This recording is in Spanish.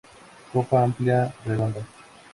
Copa amplia, redonda.